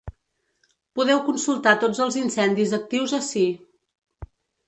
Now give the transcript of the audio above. Podeu consultar tots els incendis actius ací.